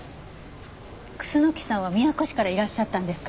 楠木さんは宮古市からいらっしゃったんですか？